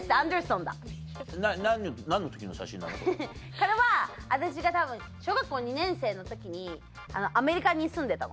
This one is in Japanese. これは私がたぶん小学校２年生の時にアメリカに住んでたの。